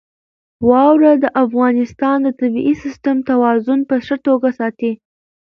واوره د افغانستان د طبعي سیسټم توازن په ښه توګه ساتي.